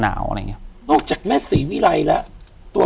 อยู่ที่แม่ศรีวิรัยิลครับ